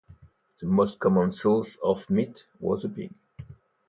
The most common source of meat was the pig.